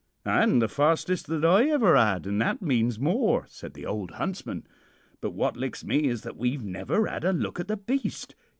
"'And the fastest that ever I 'ad, an' that means more,' said the old huntsman. 'But what licks me is that we've never 'ad a look at the beast.